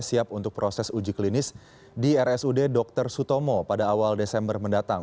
siap untuk proses uji klinis di rsud dr sutomo pada awal desember mendatang